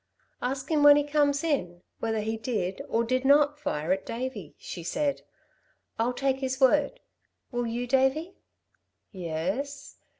"Ask him when he comes in, whether he did, or did not fire at Davey," she said. "I'll take his word. Will you, Davey?" "Yes."